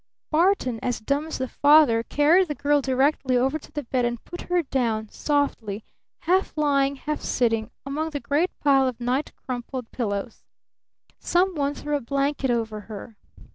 Barton, as dumb as the father, carried the girl directly to the bed and put her down softly, half lying, half sitting, among the great pile of night crumpled pillows. Some one threw a blanket over her.